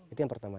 itu yang pertama